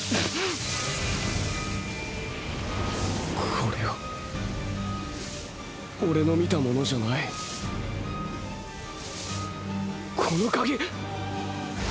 これはオレの見たものじゃないこの鍵！！